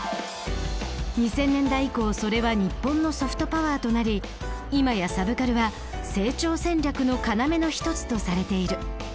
２０００年代以降それは日本のソフトパワーとなり今やサブカルは成長戦略の要の一つとされている。